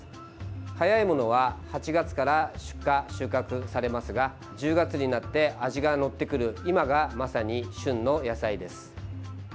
早いものは８月から出荷・収穫されますが１０月になって味が乗ってくる今がまさに旬の野菜です。